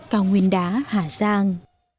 cao nguyên đá hà giang